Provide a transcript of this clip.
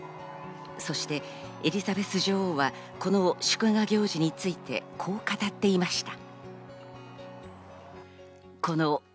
そしてエリザベス女王は、この祝賀行事についてこう語っていました。